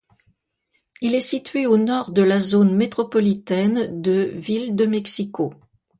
Il est situé au nord de la zone métropolitaine de Ville de Mexico.